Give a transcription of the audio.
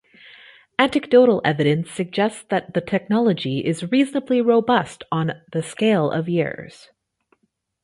Anecdotal evidence suggests that the technology is reasonably robust on the scale of years.